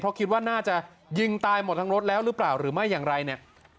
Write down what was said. เพราะคิดว่าน่าจะยิงตายหมดทั้งรถแล้วหรือเปล่าหรือไม่อย่างไรเนี่ย